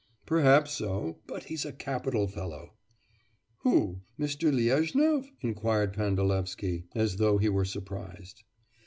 'Perhaps so; but he's a capital fellow.' 'Who? Mr. Lezhnyov?' inquired Pandalevsky, as though he were surprised.